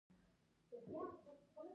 بوتسوانا داسې بنسټونه په میراث یووړل.